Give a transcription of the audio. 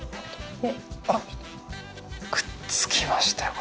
あっくっつきましたよ